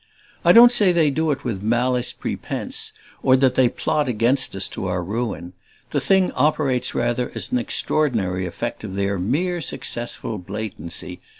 I don't say they do it with malice prepense, or that they plot against us to our ruin; the thing operates rather as an extraordinary effect of their mere successful blatancy.